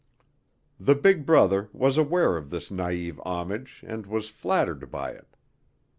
The big brother was aware of this naïve homage and was flattered by it.